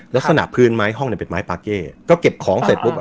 ลักษณะพื้นไม้ห้องเนี่ยเป็นไม้ปาเก้ก็เก็บของเสร็จปุ๊บอ่ะ